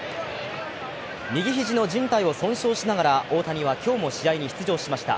右肘のじん帯を損傷しながら大谷は今日も試合に出場しました。